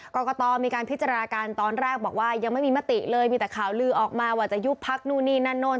กรกตมีการพิจารณาการตอนแรกบอกว่ายังไม่มีมติเลยมีแต่ข่าวลือออกมาว่าจะยุบพักนู่นนี่นั่นโน่น